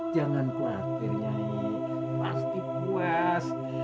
jangan khawatir nyai pasti puas